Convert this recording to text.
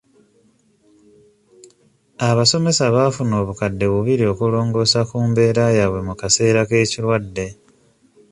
Abasomesa baafuna obukadde bubiri okulongoosa ku mbeera yaabwe mu kaseera k'ekirwadde.